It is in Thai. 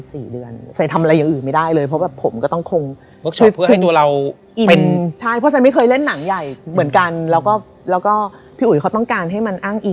ก็ไม่มีปัญหาอะไร